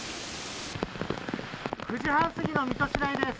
９時半過ぎの水戸市内です。